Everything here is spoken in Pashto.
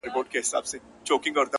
لکه سايه راپورې ـ پورې مه ځه-